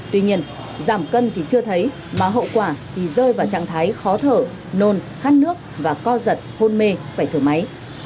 tuy nhiên giảm cân thì chưa thấy mà hậu quả thì rơi vào trạng thái khó thở nôn khát nước và co giật hôn mê phải thở máy